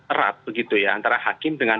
erat begitu ya antara hakim dengan